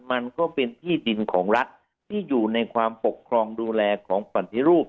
มันก็เป็นที่ดินของรัฐที่อยู่ในความปกครองดูแลของปฏิรูป